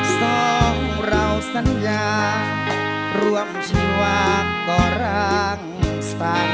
สองเราสัญญาร่วมชีวาต่อรังสรรค์